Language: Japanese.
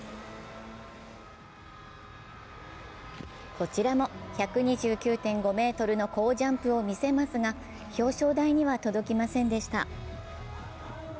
こちらも１２９．５ｍの好ジャンプを見せますが、表彰台には届きませんでした。